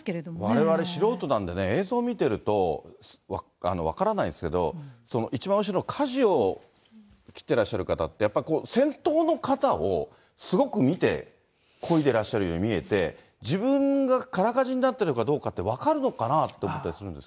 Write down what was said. われわれ素人なんでね、映像見てると分からないですけど、一番後ろのかじを切ってらっしゃる方って、先頭の方をすごく見てこいでらっしゃるように見えて、自分が空かじになってるかどうかって分かるのかなって思ったりす